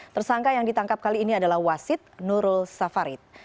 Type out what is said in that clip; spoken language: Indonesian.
tersangka yang ditangkap kali ini adalah wasid nurul safarid